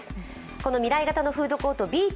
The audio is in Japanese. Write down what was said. この未来型フードコート、Ｂｅｅａｔ！！